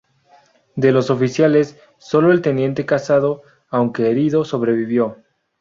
De los oficiales, solo el teniente Casado, aunque herido, sobrevivió.